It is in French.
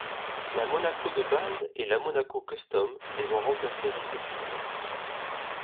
La Monaco de base et la Monaco Custom les ont remplacées respectivement.